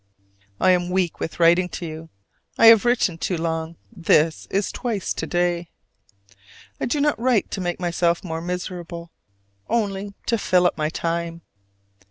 I am weak with writing to you, I have written too long: this is twice to day. I do not write to make myself more miserable: only to fill up my time.